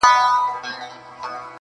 o بې ډوله ډنگېدلی، بې سرنا رخسېدلی!